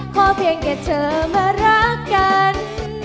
พอเพียงแค่เธอมารักกัน